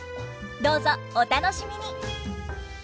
どうぞお楽しみに！